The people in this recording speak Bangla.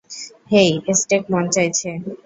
হেই, স্টেক মন চাইছে?